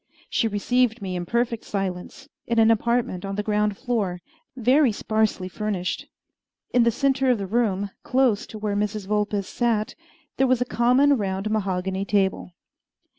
She received me in perfect silence, in an apartment on the ground floor, very sparsely furnished. In the centre of the room, close to where Mrs. Vulpes sat, there was a common round mahogany table.